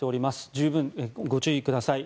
十分、ご注意ください。